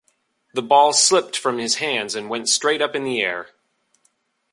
The ball slipped from his hands and went straight up in the air.